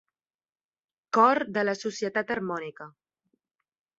Cor de la societat harmònica